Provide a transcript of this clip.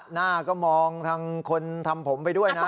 หน้าก็มองทางคนทำผมไปด้วยนะ